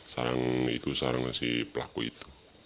sarang itu sarang si pelaku itu